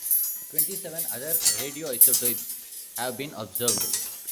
Twenty-seven other radioisotopes have been observed.